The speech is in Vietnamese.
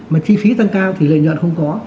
mà chi phí tăng cao thì lợi nhuận không có